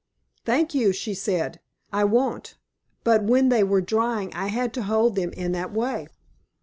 "Thank you," she said. "I won't. But when they were drying I had to hold them in that way."